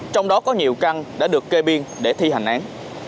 trong đó có nhiều căn đã được kê biên để thi hành án